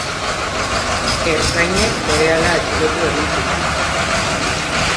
Ertzainek berehala atxilotu egin zuten.